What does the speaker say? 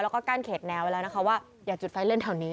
แล้วก็กั้นเขตแนวไว้แล้วนะคะว่าอย่าจุดไฟเล่นแถวนี้